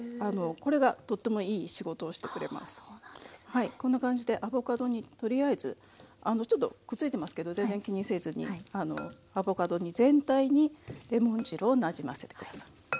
はいこんな感じでアボカドにとりあえずちょっとくっついてますけど全然気にせずにアボカドに全体にレモン汁をなじませて下さい。